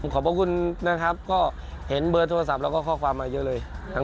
ขอบพระคุณนะครับก็เห็นเบอร์โทรศัพท์แล้วก็ข้อความมาเยอะเลย